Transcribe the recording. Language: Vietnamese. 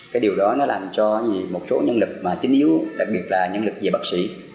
cái điều đó nó làm cho một số nhân lực mà chính yếu đặc biệt là nhân lực về bác sĩ